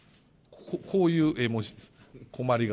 こういう絵文字です、困り顔。